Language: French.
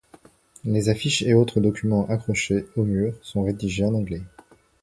Les affiches et autres documents accrochés aux murs sont rédigés en anglais.